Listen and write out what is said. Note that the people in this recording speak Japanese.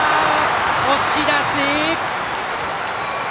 押し出し！